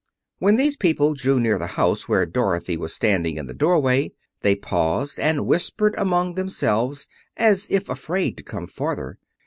When these people drew near the house where Dorothy was standing in the doorway, they paused and whispered among themselves, as if afraid to come farther.